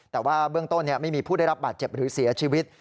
แต่ว่าเบื้องต้นไม่มีผู้ได้รับบาดเจ็บหรือเสียชีวิต